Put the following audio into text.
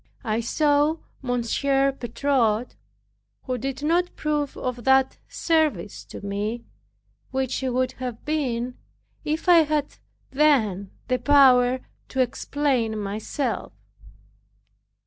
I saw Monsieur Bertot, who did not prove of that service to me, which he would have been if I had then the power to explain myself.